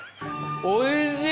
おいしい！